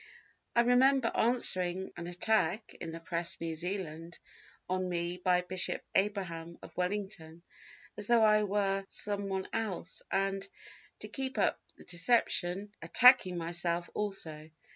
"I remember answering an attack (in the Press, New Zealand) on me by Bishop Abraham, of Wellington, as though I were someone else, and, to keep up the deception, attacking myself also.